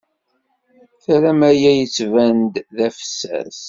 Terram aya yettban-d d afessas.